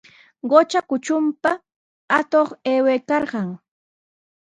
Qutra kutrunpa atuq aywaykarqan.